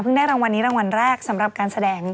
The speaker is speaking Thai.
ได้รางวัลนี้รางวัลแรกสำหรับการแสดง